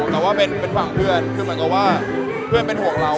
แต่ว่าเป็นฝั่งเพื่อนคือเหมือนกับว่าเพื่อนเป็นห่วงเรา